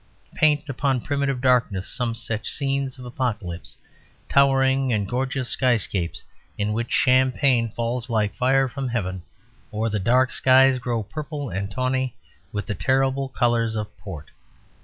Paint upon primitive darkness some such scenes of apocalypse, towering and gorgeous skyscapes in which champagne falls like fire from heaven or the dark skies grow purple and tawny with the terrible colours of port.